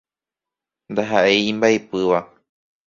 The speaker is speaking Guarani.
Ndahaʼéi imbaipýva.